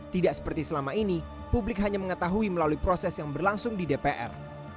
tidak seperti selama ini publik hanya mengetahui melalui proses yang berlangsung di dpr